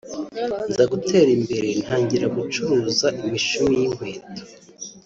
nza gutera imbere ntangira gucuruza imishumi y’inkweto